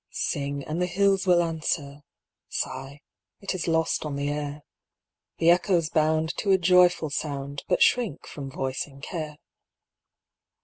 Sing, and the hills will answer; Sigh, it is lost on the air; The echoes bound To a joyful sound, But shrink from voicing care.